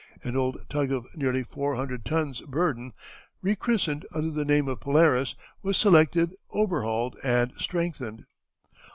An old tug of nearly four hundred tons burden, rechristened under the name of Polaris, was selected, overhauled, and strengthened.